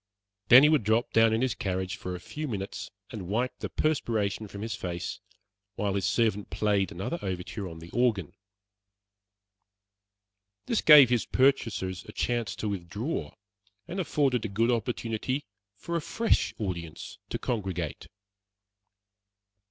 Then he would drop down in his carriage for a few minutes and wipe the perspiration from his face, while his servant played another overture on the organ. This gave his purchasers a chance to withdraw, and afforded a good opportunity for a fresh audience to congregate.